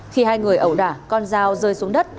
khi hai người ẩu đả con dao rơi xuống đất